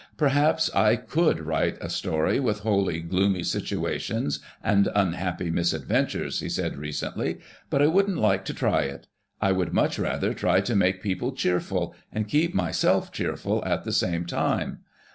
"Perhaps I could write a story with wholly gloomy situations and unhajapy misadventures," he said recently, "but I wouldn't like to try it. I would much rather try to make people cheerful and keep myself cheerful at the same time.